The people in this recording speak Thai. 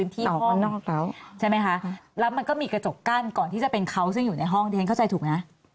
ที่ทำให้เกิดการประทะได้ง่าย